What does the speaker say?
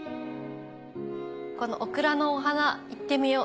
このオクラのお花行ってみよう。